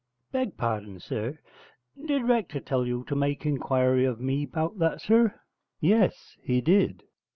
Beg pardon, sir, did Rector tell you to make inquiry of me 'bout that, sir?' 'Yes, he did.'